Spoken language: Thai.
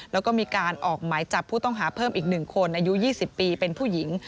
แล้วก็มีการออกหมายจับผู้ต้องหาเพิ่มอีก๑คนอายุ๒๐ปีเป็นผู้หญิง